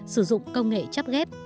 sử dụng công nghệ chắp ghép